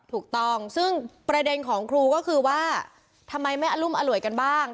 ถูกต้องซึ่งประเด็นของครูก็คือว่าทำไมไม่อรุมอร่วยกันบ้าง